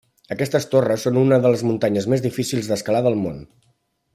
Aquestes torres són una de les muntanyes més difícils d'escalar del món.